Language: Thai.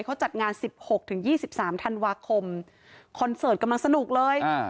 เขาจัดงานสิบหกถึงยี่สิบสามธันวาคมคอนเสิร์ตกำลังสนุกเลยอ่า